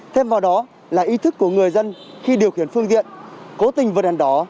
thêm vào đó là ý thức của người dân khi điều khiển phương viện cố tình vượt đèn đó